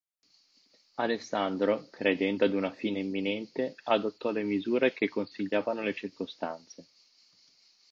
Alessandro, credendo ad una fine imminente, adottò le misure che consigliavano le circostanze.